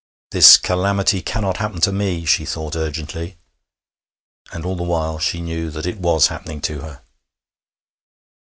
'This calamity cannot happen to me!' she thought urgently, and all the while she knew that it was happening to her.